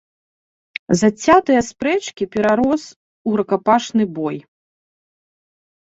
Зацятыя спрэчкі перарос у рукапашны бой.